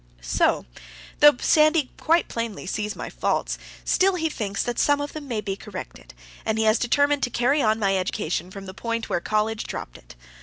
So, though Sandy quite plainly sees my faults, still, he thinks that some of them may be corrected; and he has determined to carry on my education from the point where the college dropped it.